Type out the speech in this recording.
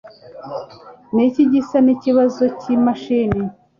Niki gisa nikibazo cyimashini